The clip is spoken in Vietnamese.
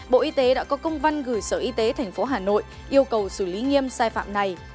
bộ y tế đã có công văn gửi sở y tế tp hà nội yêu cầu xử lý nghiêm sai phạm này